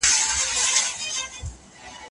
زده کوونکي په حضوري ټولګي کي بې فعالیت نه پاته کيږي.